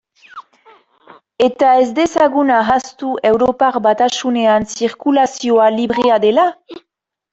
Eta ez dezagun ahaztu Europar Batasunean zirkulazioa librea dela?